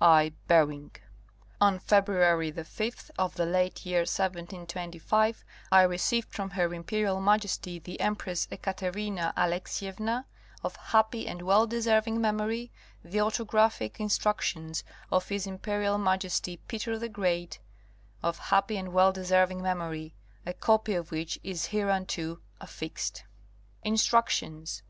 I. Berine. On February 5 of the late year 1725 I received from her Imperial Majesty the Empress Ekaterina Alexievna, of happy and well deserving memory, the autographic instructions of his Imperial Majesty Peter the Great, of happy and well deserving memory, a copy of which is hereunto affixed. Instructions.